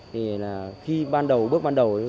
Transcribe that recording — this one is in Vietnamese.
thì là khi ban đầu bước ban đầu